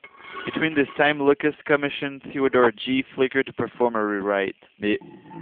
Between this time, Lucas commissioned Theodore J. Flicker to perform a rewrite.